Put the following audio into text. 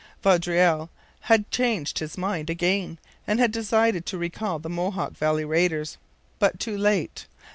Vaudreuil had changed his mind again, and had decided to recall the Mohawk valley raiders. But too late.